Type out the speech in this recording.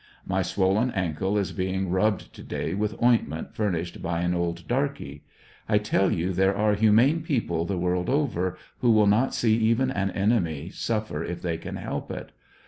My swollen ankle is being rubbed to day with ointment furnished by an old darky. I tell you there are humane people the world over, who will not see even an enemy suffer if they can help it.